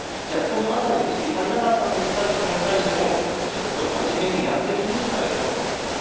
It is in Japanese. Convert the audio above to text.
じゃあ、このあたりの意識足りなかったんですかという質問に対しても、ずっと真面目にやってきましたよと。